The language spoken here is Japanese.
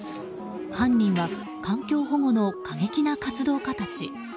犯人は環境保護の過激な活動家たち。